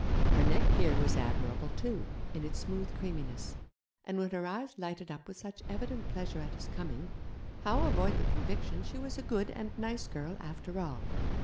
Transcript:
Her neck here was admirable, too, in its smooth creaminess; and when her eyes lighted up with such evident pleasure at his coming, how avoid the conviction she was a good and nice girl after all?